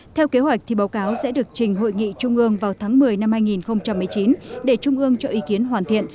theo kế hoạch thì báo cáo sẽ được trình hội nghị trung ương vào tháng một mươi năm hai nghìn một mươi chín để trung ương cho ý kiến hoàn thiện